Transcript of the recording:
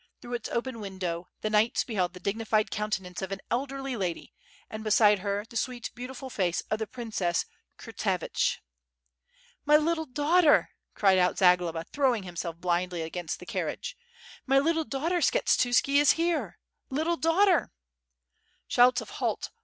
Through its open window the knights beheld the dignified counteance of aii elderly lady and beside her the sweet, beautiful face of the princess Kurtsevich. "My little daughter," cried out Zagloba, throwing himself blindly against the carriage, "my little daughter, Skshetuski is here! ... Little daughter!" Shouts of "Halt!